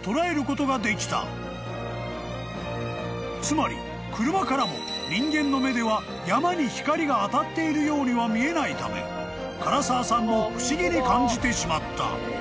［つまり車からも人間の目では山に光が当たっているようには見えないため柄澤さんも不思議に感じてしまった］